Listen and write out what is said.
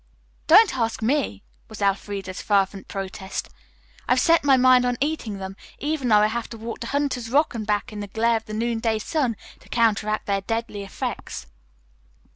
"Don't ask me," was Elfreda's fervent protest. "I've set my mind on eating them, even though I have to walk to Hunter's Rock and back in the glare of the noonday sun to counteract their deadly effects."